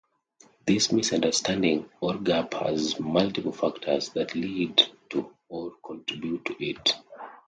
This misunderstanding or gap has multiple factors that lead to or contribute to it.